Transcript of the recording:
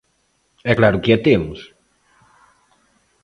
E claro que a temos.